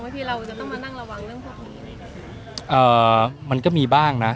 ที่เราจะต้องมานั่งระวังเรื่องพวกนี้เอ่อมันก็มีบ้างนะ